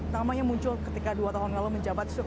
namanya muncul ketika dua tahun lalu menjabat